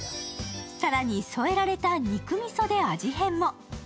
更に添えられた肉みそで味変も。